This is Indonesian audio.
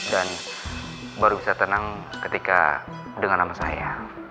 dan baru bisa tenang ketika dengar nama saya